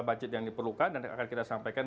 budget yang diperlukan dan akan kita sampaikan